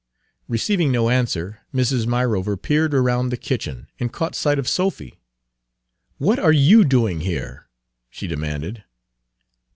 " Receiving no answer, Mrs. Myrover peered around the kitchen, and caught sight of Sophy. "What are you doing here?" she demanded.